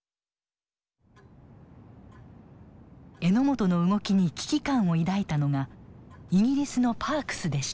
榎本の動きに危機感を抱いたのがイギリスのパークスでした。